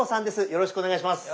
よろしくお願いします。